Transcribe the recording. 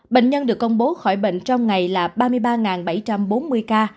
bệnh nhân được công bố khỏi bệnh trong ngày là ba mươi ba bảy trăm bốn mươi ca